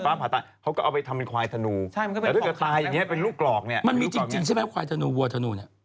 มันมีจริงใช่ไหมควายถนูวัวถนูเนี่ย